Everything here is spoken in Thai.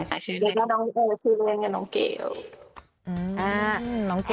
เดี๋ยวก็ชื่อเรื่องกับน้องเกล